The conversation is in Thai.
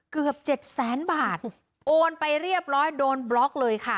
เกือบเจ็ดแสนบาทโอนไปเรียบร้อยโดนบล็อกเลยค่ะ